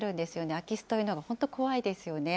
空き巣というのは本当、怖いですよね。